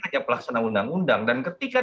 hanya pelaksana undang undang dan ketika